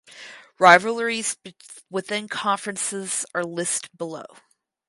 Rivalries within conferences are list below.